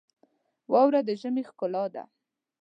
واوره د ژمي ښکلا ده.